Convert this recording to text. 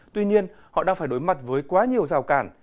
tuy nhiên họ đang phải đối mặt với quá nhiều rào cản